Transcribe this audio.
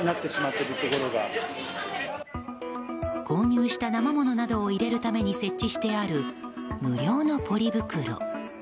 購入した生ものなどを入れるために設置してある無料のポリ袋。